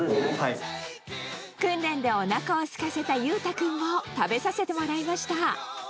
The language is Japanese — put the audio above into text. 訓練でおなかをすかせた裕太君も食べさせてもらいました。